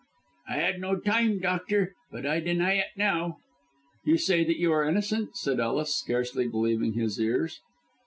"I had no time, doctor; but I deny it now." "You say that you are innocent?" said Ellis, scarcely believing his ears.